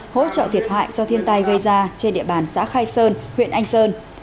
hỗ trợ thiệt hại do thiên tai gây ra trên địa bàn xã khai sơn huyện anh sơn